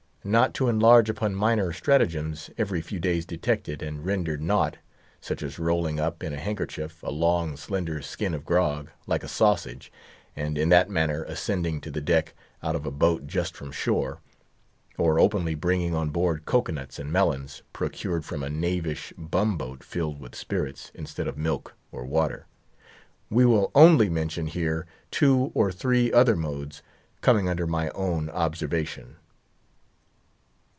Not to enlarge upon minor stratagems—every few days detected, and rendered naught (such as rolling up, in a handkerchief, a long, slender "skin" of grog, like a sausage, and in that manner ascending to the deck out of a boat just from shore; or openly bringing on board cocoa nuts and melons, procured from a knavish bum boat filled with spirits, instead of milk or water)—we will only mention here two or three other modes, coming under my own observation.